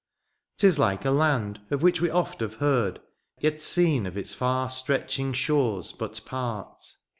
THs like a land of which we oft have heard^ Yet seen of its far stretching shores but part.